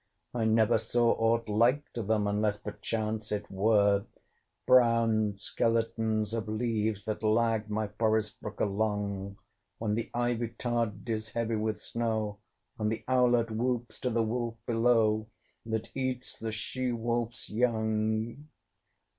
I never saw aught like to them, Unless perchance it were "Brown skeletons of leaves that lag My forest brook along; When the ivy tod is heavy with snow, And the owlet whoops to the wolf below, That eats the she wolf's young."